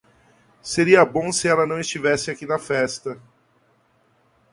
Seria bom se ela não estivesse aqui na festa!